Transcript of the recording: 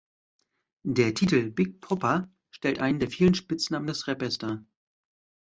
Der Titel „Big Poppa“ stellt einen der vielen Spitznamen des Rappers dar.